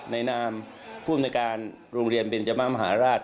นามผู้อำนวยการโรงเรียนเบนจมะมหาราช